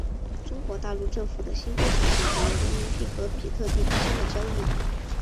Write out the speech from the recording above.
中国大陆政府的新规定限制了人民币和比特币之间的交易。